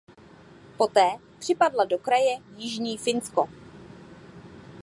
Poté připadla do kraje Jižní Finsko.